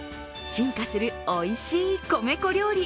進化するおいしい米粉料理。